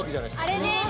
あれね。